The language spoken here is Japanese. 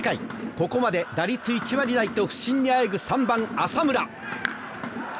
ここまで打率１割台と不振にあえぐ３番、浅村。